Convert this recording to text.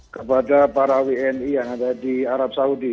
kepada para wni yang ada di arab saudi